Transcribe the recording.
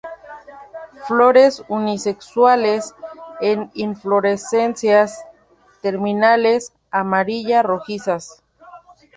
Flores unisexuales, en inflorescencias terminales amarilla-rojizas.